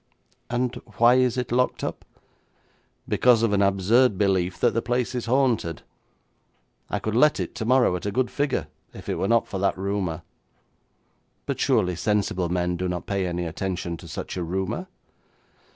'And why is it locked up?' 'Because of an absurd belief that the place is haunted. I could let it tomorrow at a good figure, if it were not for that rumour.' 'But surely sensible men do not pay any attention to such a rumour.'